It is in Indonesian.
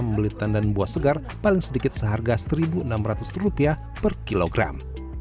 membeli tandan buah segar paling sedikit seharga rp satu enam ratus per kilogram